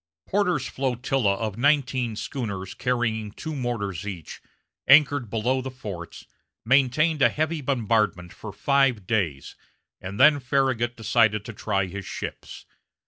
Porter's flotilla of nineteen schooners carrying two mortars each, anchored below the forts, maintained a heavy bombardment for five days, and then Farragut decided to try his ships.